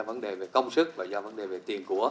vấn đề về công sức và do vấn đề về tiền của